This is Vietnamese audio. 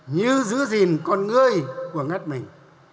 như giữ gìn con ngươi của ngắt mình